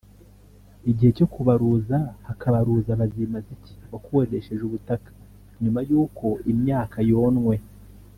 igihe cyo kubaruza hakabaruza Bazimaziki wakodesheje ubutaka nyuma y’uko imyaka yonwe